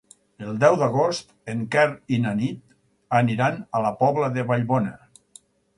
El deu d'agost en Quer i na Nit aniran a la Pobla de Vallbona.